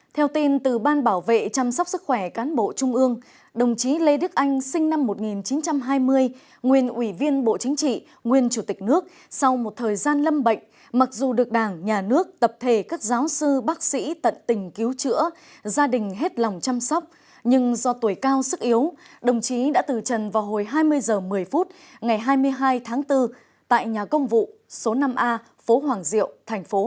theo tin từ ban bảo vệ chăm sóc sức khỏe cán bộ trung ương đồng chí lê đức anh sinh năm một nghìn chín trăm hai mươi nguyên ủy viên bộ chính trị nguyên chủ tịch nước sau một thời gian lâm bệnh mặc dù được đảng nhà nước tập thể các giáo sư bác sĩ tận tình cứu chữa gia đình hết lòng chăm sóc nhưng do tuổi cao sức yếu đồng chí đã từ trần vào hồi hai mươi h một mươi phút ngày hai mươi hai tháng bốn tại nhà công vụ số năm a phố hoàng diệu thành phố hà nội